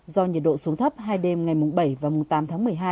do nhiệt độ xuống thấp hai đêm ngày mùng bảy và mùng tám tháng một mươi hai